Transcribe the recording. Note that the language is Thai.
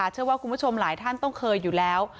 เชื่อว่าคุณผู้ชมหลายท่านต้องเคยอยู่แล้ว